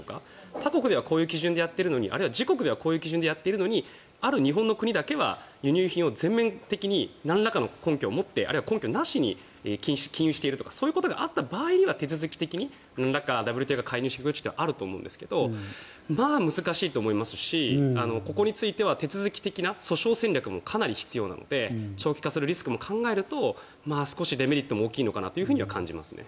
他国ではこういう基準でやっているのにあるいは自国ではこういう基準でやっているのに日本だけは輸入品を全面的になんらかの根拠を持ってあるいは根拠なしに禁輸しているとかそういうことがあった場合に手続き的にＷＴＯが介入していくことはあると思いますがまあ難しいと思いますしここについては手続き的な訴訟戦略も必要なので長期化するリスクも考えると少しデメリットも大きいのかなと感じますね。